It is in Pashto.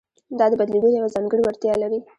دا د بدلېدو یوه ځانګړې وړتیا لري.